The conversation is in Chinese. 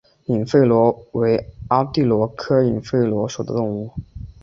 隐肺螺为阿地螺科隐肺螺属的动物。